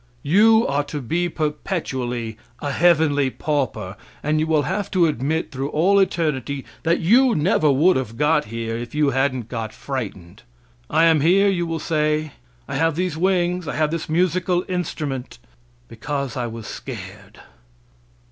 You are to be perpetually a heavenly pauper, and you will have to admit through all eternity that you never would have got here if you hadn't got frightened. "I am here," you will say, "I have these wings, I have this musical instrument, because I was scared."